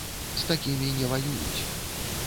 З такімі не ваююць.